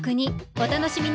お楽しみに。